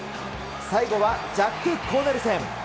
最後はジャック・コーネルセン。